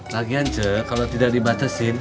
lagian cek kalau tidak dibatasin